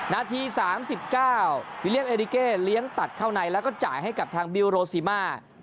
นาที๓๙วิลเลียมเอริเก้เลี้ยงตัดเข้าในแล้วก็จ่ายให้กับทางบิลโรซิมา